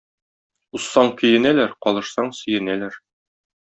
Узсаң көенәләр, калышсаң сөенәләр.